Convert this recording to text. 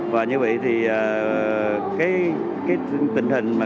và như vậy thì cái tình hình